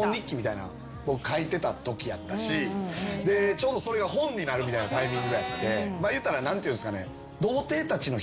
ちょうどそれが本になるみたいなタイミングやっていうたら何ていうんすかね。